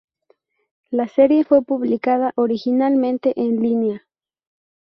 La serie fue publicada originalmente en línea.